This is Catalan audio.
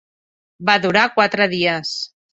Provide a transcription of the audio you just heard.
Va durar quatre dies.